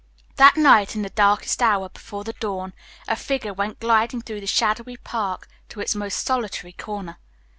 That night, in the darkest hour before the dawn, a figure went gliding through the shadowy Park to its most solitary corner.